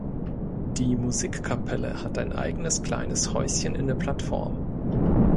Die Musikkapelle hat ein eigenes kleines Häuschen in der Plattform.